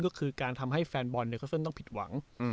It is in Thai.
ก็คือการทำให้แฟนบอลนิวเคอร์เซินต้องผิดหวัง